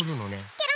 ケロ。